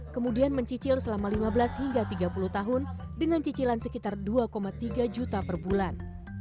kemudian mencicil selama lima belas hingga tiga puluh tahun dengan cicilan sekitar dua tiga juta per bulan